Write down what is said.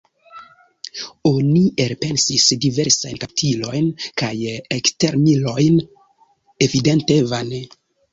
Oni elpensis diversajn kaptilojn kaj ekstermilojn, evidente vane.